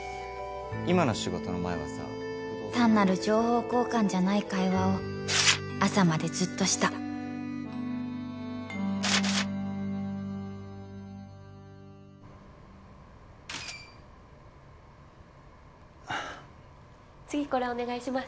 今の仕事の前はさ単なる情報交換じゃない会話を朝までずっとした次これお願いします